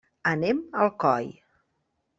Anem a Alcoi.